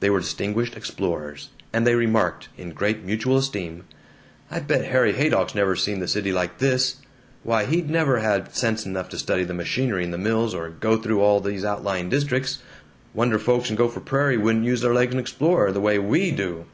They were distinguished explorers, and they remarked, in great mutual esteem, "I bet Harry Haydock's never seen the City like this! Why, he'd never have sense enough to study the machinery in the mills, or go through all these outlying districts. Wonder folks in Gopher Prairie wouldn't use their legs and explore, the way we do!"